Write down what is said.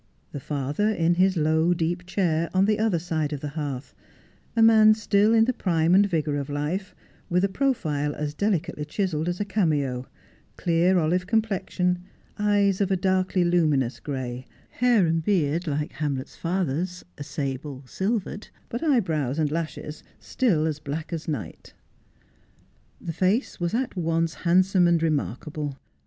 The father, in his low, deep chair on the other side of the hearth, a man still in the prime and vigour of life, with a profile as delicately chiselled as a cameo, clear olive complexion eyes of a darkly luminous gray, hair and beard like Hamlet's father's, ' a sable silvered,' but eyebrows and lashes still black as After Twenty Years. 19 night. The face was at once handsome and remarkable.